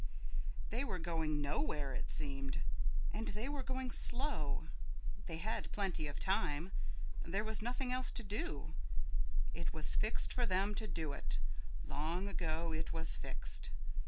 They were going nowhere, it seemed. And they were going slow. They had plenty of time. There was nothing else to do. It was fixed for them to do it, long ago it was fixed.